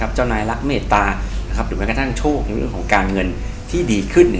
เจ้านายละเมตตาหรือแม้กระทั่งโชคในเรื่องของการเงินที่ดีขึ้น